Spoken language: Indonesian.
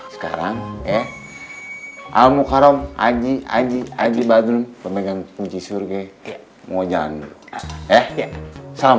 sekarang ya al mukarram haji haji haji badrun pemegang kunci surga mau jalan dulu ya ya salam